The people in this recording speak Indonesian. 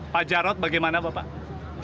pak jarod bagaimana bapak